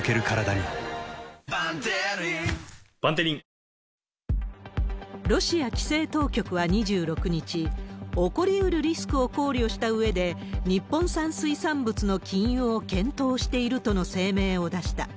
過去最大の補助金もロシア規制当局は２６日、起こりうるリスクを考慮したうえで、日本産水産物の禁輸を検討しているとの声明を出した。